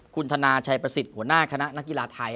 คุณธนาชัยประสิทธิ์หัวหน้าคณะนักกีฬาไทย